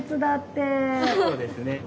そうですね。